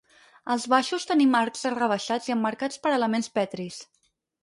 Als baixos tenim arcs rebaixats i emmarcats per elements petris.